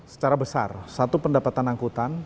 secara besar satu pendapatan angkutan